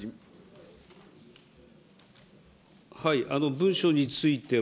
文書については、